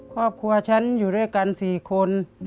ครอบครัวฉันอยู่ด้วยกัน๔คน